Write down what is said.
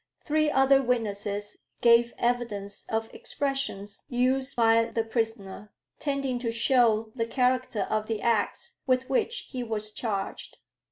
Three other witnesses gave evidence of expressions used by the prisoner, tending to show the character of the acts with which he was charged.